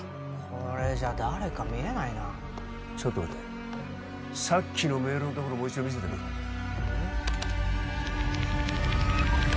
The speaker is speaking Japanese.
これじゃ誰か見えないなちょっと待てさっきのメールのところもう一度見せてみろうん？